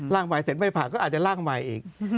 ใหม่เสร็จไม่ผ่านก็อาจจะร่างใหม่อีก